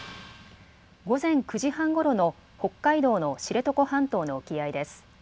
午前９時半ごろの北海道の知床半島の沖合です。